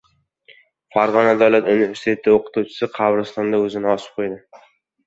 Farg‘ona davlat universiteti o‘qituvchisi qabristonda o‘zini osib qo‘ydi